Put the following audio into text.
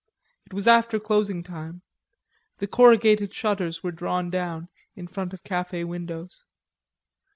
It was after closing time. The corrugated shutters were drawn down, in front of cafe windows.